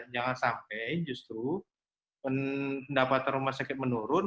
jangan sampai justru pendapatan rumah sakit menurun